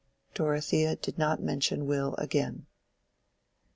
Dorothea did not mention Will again.